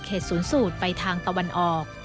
เข็ดสูญสูตรไปทางตะวันออก